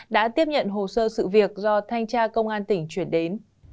đã tiếp nhận hồ sơ sự việc do thanh tra công an tỉnh chuyển đến